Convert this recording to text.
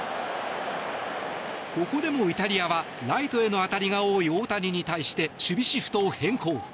ここでもイタリアはライトへの当たりが多い大谷に対して守備シフトを変更。